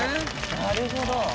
なるほど。